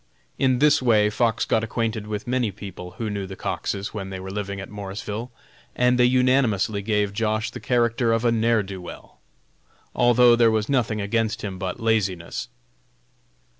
In this way Fox got acquainted with many people who knew the Coxes when they were living at Morrisville, and they unanimously gave Josh. the character of a "ne'er do weel," although there was nothing against him but his laziness.